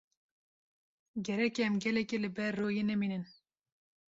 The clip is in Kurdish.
Gerek e em gelekî li ber royê nemînin.